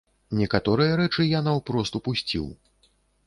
Некаторыя рэчы я наўпрост упусціў.